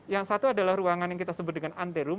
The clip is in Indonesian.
yang satu adalah ruangan yang kita sebut dengan anterrum